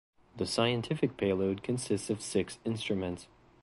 The scientific payload consists of six instruments.